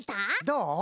どう？